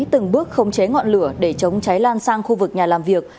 từng bước khống chế ngọn lửa để chống cháy lan sang khu vực nhà làm việc